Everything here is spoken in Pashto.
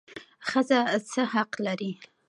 ښځه څه حق لري؟